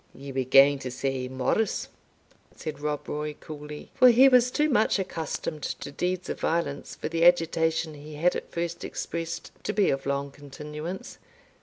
"Ye were going to say Morris," said Rob Roy coolly, for he was too much accustomed to deeds of violence for the agitation he had at first expressed to be of long continuance.